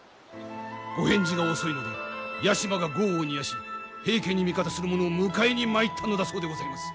ご返事が遅いので屋島が業を煮やし平家に味方する者を迎えに参ったのだそうでございます。